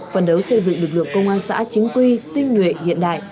phần đấu xây dựng lực lượng công an xã chính quy tinh nguyện hiện đại